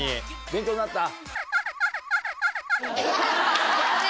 勉強になった？